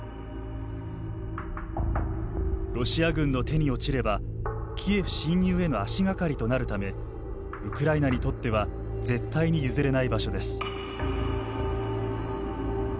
ロシア軍の手に落ちればキエフ侵入への足がかりとなるためウクライナにとっては絶対に譲れない場所です。